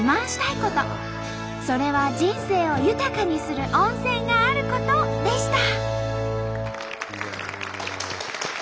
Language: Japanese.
それは「人生を豊かにする温泉があること」でした。